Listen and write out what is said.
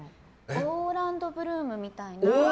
オーランド・ブルームみたいな。